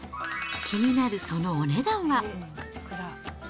気になるそのお値段は。